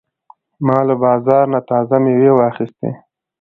ما له بازار نه تازه مېوې واخیستې.